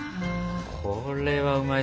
これはうまいぞ。